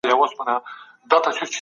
انسان له کاره پېژندل کېږي